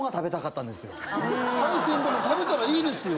海鮮丼食べたらいいですよ